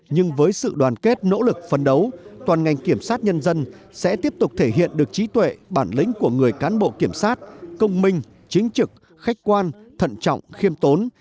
nhưng với sự đoàn kết nỗ lực phấn đấu toàn ngành kiểm sát nhân dân sẽ tiếp tục thể hiện được trí tuệ bản lĩnh của người cán bộ kiểm sát công minh chính trực khách quan thận trọng khiêm tốn